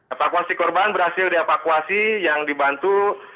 evakuasi korban berhasil dievakuasi yang dibantu